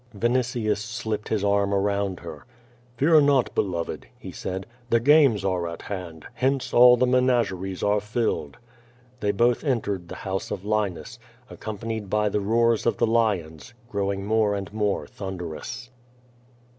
Vinitius slipped his arm around her. "Fear not, beloved," he said, "the games are at hand. Hence all the menageries are filled.'^ They both entered the house of Linus, accompanied by the roars of the lions growing more and more thunderous.